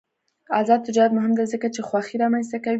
آزاد تجارت مهم دی ځکه چې خوښي رامنځته کوي.